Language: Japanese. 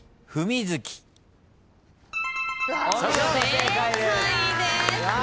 正解です。